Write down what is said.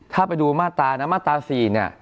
ถ้าไปดูมาตรานะมาตรา๔เนี่ย